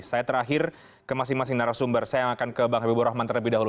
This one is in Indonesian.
saya terakhir ke masing masing narasumber saya akan ke bang habibur rahman terlebih dahulu